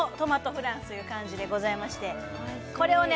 フランスいう感じでございましてこれをね